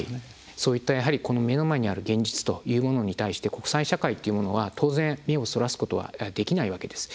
そういった目の前にある現実というものに対して国際社会というのは当然、目をそらすことはできないわけです。